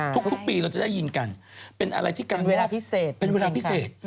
ทุกปีเราจะได้ยินกันเป็นเวลาพิเศษ